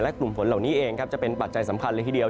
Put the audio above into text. กลุ่มฝนเหล่านี้เองจะเป็นปัจจัยสำคัญเลยทีเดียว